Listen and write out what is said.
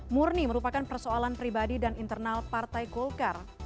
murni merupakan persoalan pribadi dan internal partai golkar